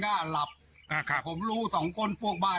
ดังอ่ะกำเซภาคชาวบ้าน